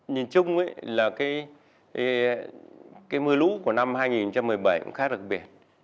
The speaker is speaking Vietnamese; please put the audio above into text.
nhìn chung là mưa lũ của năm hai nghìn một mươi bảy cũng khá đặc biệt